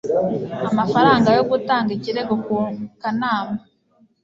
amafaranga yo gutanga ikirego ku kanama